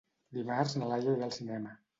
Dimarts na Laia irà al cinema.